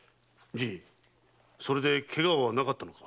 じいそれでケガはなかったのか？